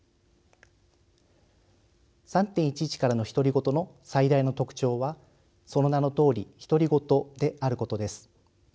「３．１１からの独り言」の最大の特徴はその名のとおり独り言であることです。